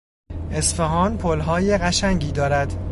اصفهان پلهای قشنگی دارد.